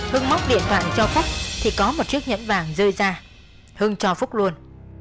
hưng móc điện thoại cho phúc thì có một chiếc nhẫn vàng rơi ra hưng cho phúc luôn